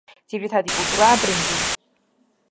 ძირითადი კულტურაა ბრინჯი.